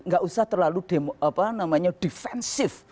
gak usah terlalu defensif